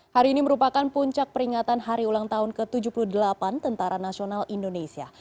hari ini merupakan puncak peringatan hari ulang tahun ke tujuh puluh delapan tentara nasional indonesia